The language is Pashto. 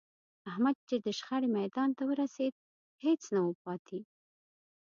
احمد چې د شخړې میدان ته ورسېد، هېڅ نه و پاتې